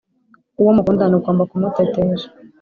uwo mukundana ugomba kumutetesha